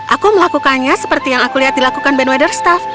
aku melakukannya seperti yang aku lihat dilakukan band weather staff